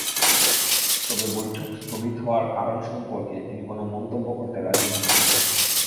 তবে বৈঠক স্থগিত হওয়ার কারণ সম্পর্কে তিনি কোনো মন্তব্য করতে রাজি হননি।